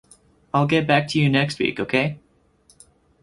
I'll get back to you next week, okay?